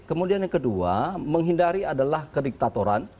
kemudian yang kedua menghindari adalah kediktatoran